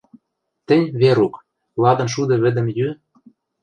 — Тӹнь, Верук, ладын шуды вӹдӹм йӱ...